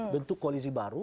bentuk koalisi baru